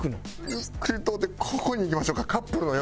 ゆっくり通ってここに行きましょうかカップルの横。